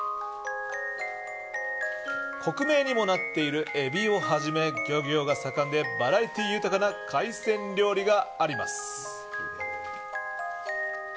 国名にもなっているエビをはじめ漁業が盛んでバラエティー豊かな海鮮料理があります。